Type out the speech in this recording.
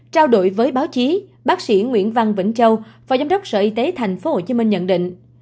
trao đổi với báo chí bác sĩ nguyễn văn vĩnh châu phòa giám đốc sở y tế thành phố hồ chí minh nhận định